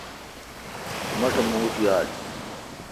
مٹھ موُت یال۔